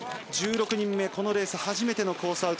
１６人目、このレース初めてのコース